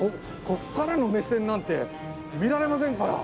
こっからの目線なんて見られませんから。